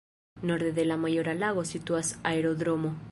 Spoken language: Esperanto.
Norde de la Majora Lago situas aerodromo.